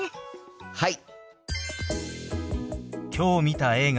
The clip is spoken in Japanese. はい！